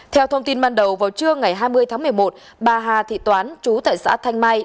theo thông tin ban đầu vào trưa ngày hai mươi tháng một mươi một bà hà thị toán chú tại xã thanh mai